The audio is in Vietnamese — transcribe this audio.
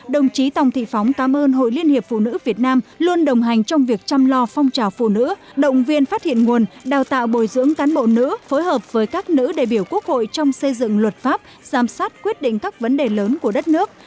đồng chí tòng thị phóng cảm ơn hội liên hiệp phụ nữ việt nam luôn đồng hành trong việc chăm lo phong trào phụ nữ động viên phát hiện nguồn đào tạo bồi dưỡng cán bộ nữ phối hợp với các nữ đại biểu quốc hội trong xây dựng luật pháp giám sát quyết định các vấn đề lớn của đất nước